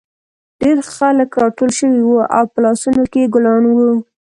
ډېر خلک راټول شوي وو او په لاسونو کې یې ګلان وو